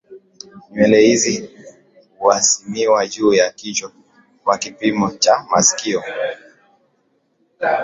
nywele hizi huhasimiwa juu ya kichwa kwa kipimo cha masikio